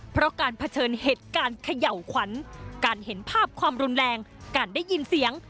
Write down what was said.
เพราะการเผชิญเหตุการณ์เขย่าขวัญการเห็นภาพความรุนแรงการได้ยินเสียง